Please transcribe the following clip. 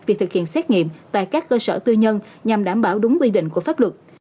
việc thực hiện xét nghiệm tại các cơ sở tư nhân nhằm đảm bảo đúng quy định của pháp luật